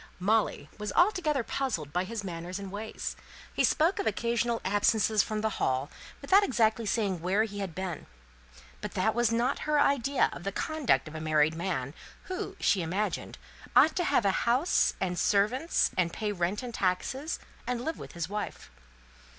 Molly was altogether puzzled by his manners and ways. He spoke of occasional absences from the Hall, without exactly saying where he had been. But that was not her idea of the conduct of a married man; who, she imagined, ought to have a house and servants, and pay rent and taxes, and live with his wife.